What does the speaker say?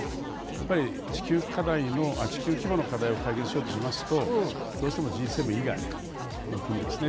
やっぱり地球規模の課題を解決しようとしますとどうしてもＧ７以外の国ですね